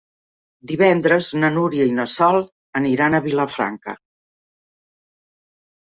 Divendres na Núria i na Sol aniran a Vilafranca.